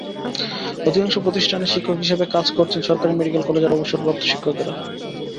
অধিকাংশ প্রতিষ্ঠানে শিক্ষক হিসেবে কাজ করছেন সরকারি মেডিকেল কলেজের অবসরপ্রাপ্ত শিক্ষকেরা।